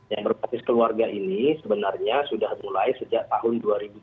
yang berbasis keluarga ini sebenarnya sudah mulai sejak tahun dua ribu dua puluh